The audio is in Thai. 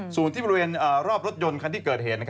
ส่วนที่บริเวณรอบรถยนต์คันที่เกิดเหตุ